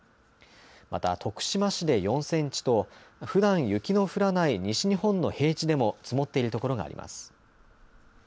また徳島市で４センチとふだん雪の降らない西日本の平地でも積もっているところがあります。